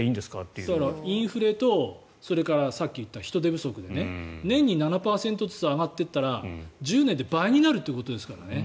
インフレと人手不足で年に７％ずつ上がっていったら１０年で倍になるということですからね。